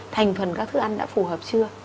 thành phần các thức ăn đã phù hợp chưa